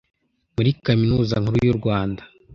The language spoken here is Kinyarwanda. muri kaminuza nkuru y’u rwanda,